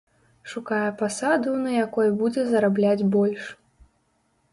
Шукае пасаду, на якой будзе зарабляць больш.